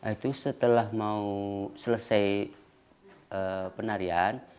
itu setelah mau selesai penarian